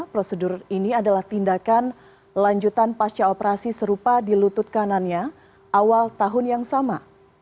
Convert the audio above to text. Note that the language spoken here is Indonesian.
prosedur ini adalah tindakan lanjutan pasca operasi serupa di lutut kanannya awal tahun yang sama